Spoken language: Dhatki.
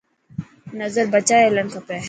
نظر بچائي هلڙڻ کپي.